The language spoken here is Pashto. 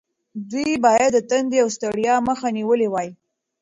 دوی باید د تندې او ستړیا مخه نیولې وای.